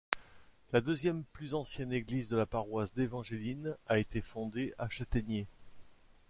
La deuxième plus ancienne église de la paroisse d'Evangeline a été fondée à Chataignier.